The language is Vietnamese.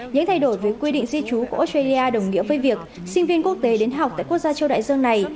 những thay đổi về quy định di trú của australia đồng nghĩa với việc sinh viên quốc tế đến học tại quốc gia châu đại dương này